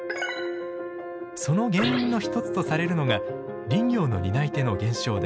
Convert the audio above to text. その原因の一つとされるのが林業の担い手の減少です。